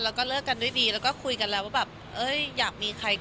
เราก็เลิกกันด้วยดีแล้วก็คุยกันแบบ